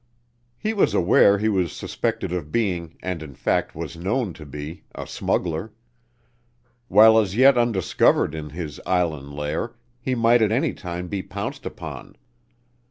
He was aware he was suspected of being, and in fact was known to be, a smuggler. While as yet undiscovered in his island lair, he might at any time be pounced upon.